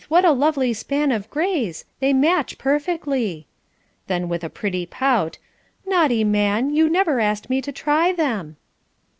What a lovely span of greys, they match perfectly." Then with a pretty pout: "Naughty man, you never asked me to try them."